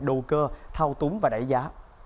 đồ cơ thao túng và đẩy giá